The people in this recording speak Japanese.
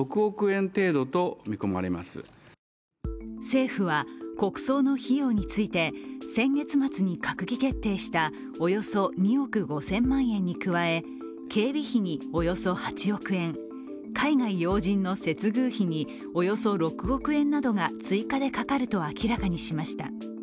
政府は国葬の費用について、先月末に閣議決定したおよそ２億５０００万円に加え、警備費におよそ８億円、海外要人の接遇費におよそ６億円などが追加でかかると明らかにしました。